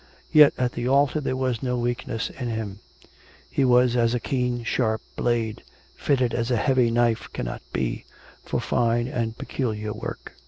Yet, at the altar there was no weakness in him; he was as a keen, sharp blade, fitted as a heavy knife cannot be, for fine and peculiar work.